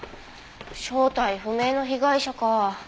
正体不明の被害者か。